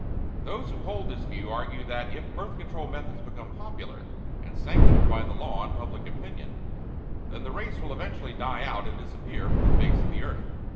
Those who hold this view argue that if Birth Control methods become popular, and sanctioned by the law and public opinion, then the race will eventually die out and disappear from the face of the earth.